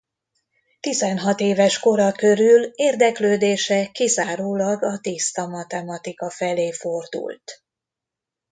Tizenhat éves kora körül érdeklődése kizárólag a tiszta matematika felé fordult.